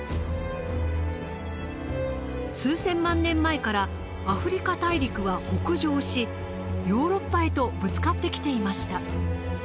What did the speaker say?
数千万年前からアフリカ大陸は北上しヨーロッパへとぶつかってきていました。